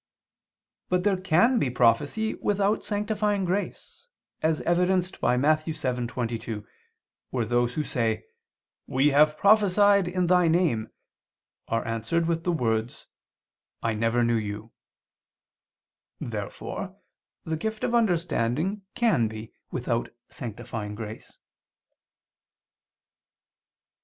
But there can be prophecy without sanctifying grace, as evidenced by Matt. 7:22, where those who say: "We have prophesied in Thy name [*Vulg.: 'Have we not prophesied in Thy name?']," are answered with the words: "I never knew you." Therefore the gift of understanding can be without sanctifying grace.